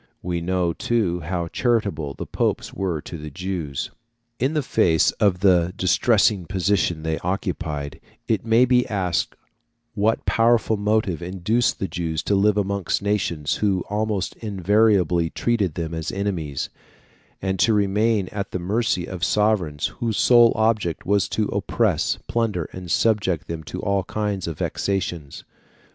We know, too, how charitable the popes were to the Jews. In the face of the distressing position they occupied, it may be asked what powerful motive induced the Jews to live amongst nations who almost invariably treated them as enemies, and to remain at the mercy of sovereigns whose sole object was to oppress, plunder, and subject them to all kinds of vexations?